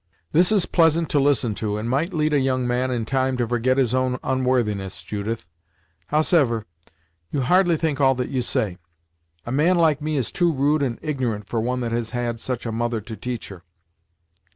"This is pleasant to listen to, and might lead a young man in time to forget his own onworthiness, Judith! Howsever, you hardly think all that you say. A man like me is too rude and ignorant for one that has had such a mother to teach her.